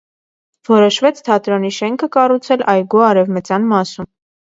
Որոշվեց թատրոնի շենքը կառուցել այգու արևմտյան մասում։